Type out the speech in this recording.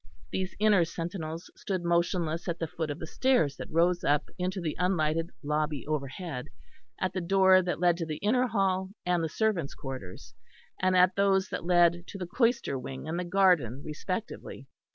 These inner sentinels stood motionless at the foot of the stairs that rose up into the unlighted lobby overhead, at the door that led to the inner hall and the servants' quarters, and at those that led to the cloister wing and the garden respectively.